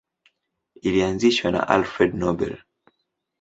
Ilianzishwa na Alfred Nobel.